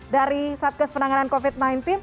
dari satgas penanganan covid sembilan belas